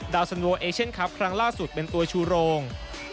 สันโวเอเชียนคลับครั้งล่าสุดเป็นตัวชูโรง